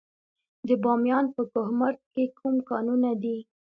د بامیان په کهمرد کې کوم کانونه دي؟